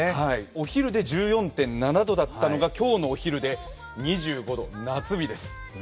お昼で１４．７度だったのが今日のお昼で２５度、夏日です。